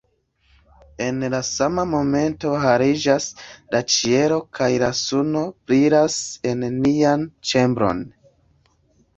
En la sama momento heliĝas la ĉielo kaj la suno brilas en nian ĉambron.